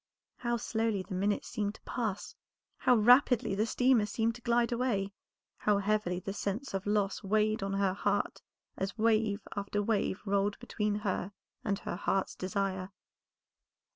How slowly the minutes seemed to pass, how rapidly the steamer seemed to glide away, how heavily the sense of loss weighed on her heart as wave after wave rolled between her and her heart's desire.